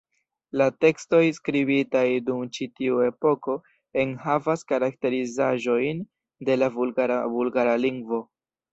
La tekstoj skribitaj dum ĉi tiu epoko enhavas karakterizaĵojn de la vulgara bulgara lingvo.